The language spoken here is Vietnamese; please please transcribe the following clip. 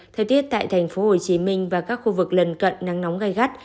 thời tiết tại tp hcm và các khu vực lần cận nắng nóng gai gắt